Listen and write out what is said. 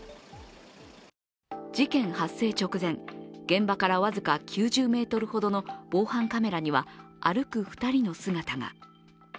事件発生直前、現場から僅か９０ｍほどの防犯カメラには歩く２人の姿が。